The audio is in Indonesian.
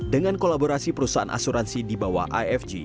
dengan kolaborasi perusahaan asuransi di bawah ifg